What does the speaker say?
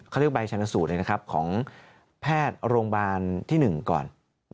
เขาเรียกว่าใบชนสุดเนี่ยนะครับของแพทย์โรงบาลที่หนึ่งก่อน